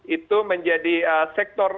itu menjadi sektor